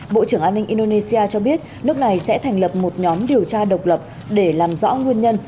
bộ trưởng an ninh indonesia cho biết nước này sẽ thành lập một nhóm điều tra độc lập để làm rõ nguyên nhân